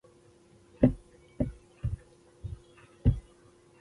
شخصي واټن د کورنۍ او ملګرو ترمنځ وي.